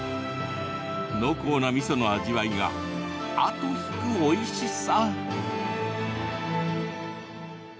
濃厚なみその味わいがあと引くおいしさ。